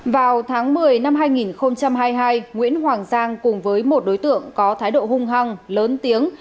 vào tháng một mươi năm hai nghìn hai mươi hai nguyễn hoàng giang cùng với một đối tượng có thái độ hung hăng lớn tiếng